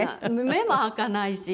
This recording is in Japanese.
目も開かないし。